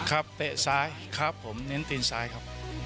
เตะซ้ายครับผมเน้นตีนซ้ายครับ